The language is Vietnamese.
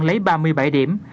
lấy ba mươi bảy điểm